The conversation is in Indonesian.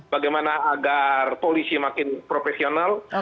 bagaimana agar polisi makin profesional